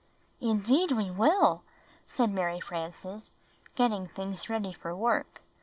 "Indeed we will!" said Mary Frances, getting things ready for work.